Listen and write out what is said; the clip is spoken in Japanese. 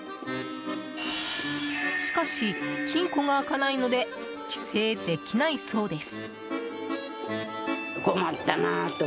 しかし、金庫が開かないので帰省できないそうです。